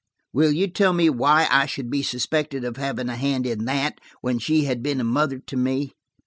Will you tell me why I should be suspected of having a hand in that, when she had been a mother to me?